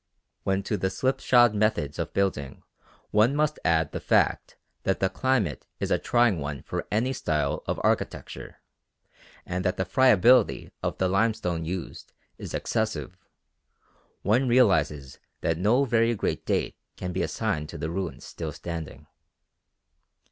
When to the slipshod methods of building one must add the fact that the climate is a trying one for any style of architecture and that the friability of the limestone used is excessive, one realises that no very great date can be assigned to the ruins still standing.